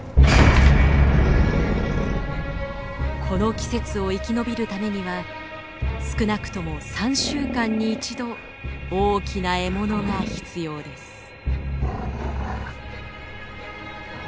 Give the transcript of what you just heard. この季節を生き延びるためには少なくとも３週間に１度大きな獲物が必要です。